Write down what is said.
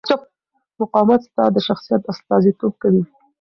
مقاومت ستا د شخصیت استازیتوب کوي.